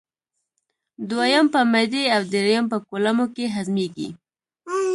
دویم په معدې او دریم په کولمو کې هضمېږي.